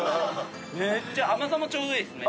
めっちゃ甘さもちょうどいいですね。